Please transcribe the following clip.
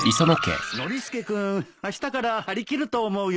ノリスケ君あしたから張り切ると思うよ。